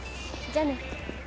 じゃあね。